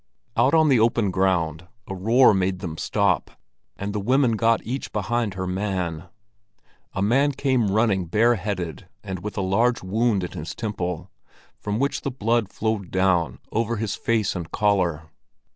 Out on the open ground a roar made them stop, and the women got each behind her man. A man came running bareheaded and with a large wound in his temple, from which the blood flowed down over his face and collar.